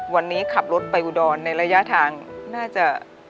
วันนี้ขับรถไปอุดรในระยะทางน่าจะ